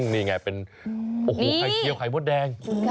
นี่ไงเป็นไข่เกียวไข่มดแดง